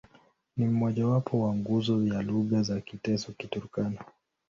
Ni mmojawapo wa nguzo ya lugha za Kiteso-Kiturkana.